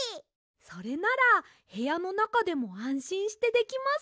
それならへやのなかでもあんしんしてできます。